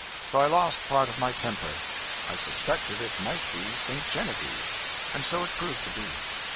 So I lost part of my temper. I suspected that it might be St. Genevieve and so it proved to be.